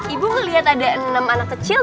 ibu melihat ada enam anak kecil